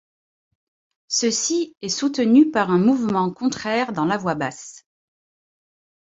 Ceci est soutenu par un mouvement contraire dans la voix basse.